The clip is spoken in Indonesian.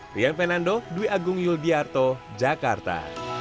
rian fernando dwi agung yul diarto jakarta